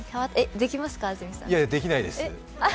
できないです。